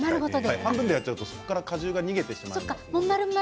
半分でやると、そこから果汁が逃げてしまいます。